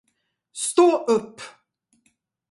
Stå upp!